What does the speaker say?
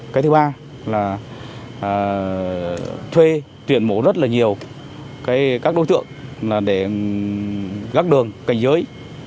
cái thứ ba là thuê tuyển mộ rất là nhiều các đối tượng để gắt đường cảnh giới